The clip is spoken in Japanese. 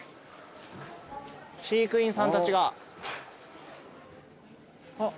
飼育員さんたちが。